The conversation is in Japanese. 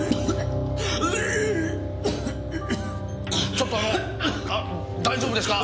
ちょっとあの大丈夫ですか？